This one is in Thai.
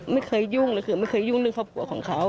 ไม่เคยยุ่งเลยคือไม่เคยยุ่งเรื่องครอบครัวของเขา